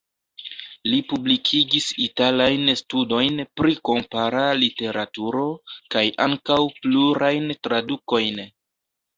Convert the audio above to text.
Li publikigis italajn studojn pri kompara literaturo, kaj ankaŭ plurajn tradukojn.